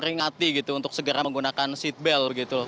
peringati gitu untuk segera menggunakan seatbelt gitu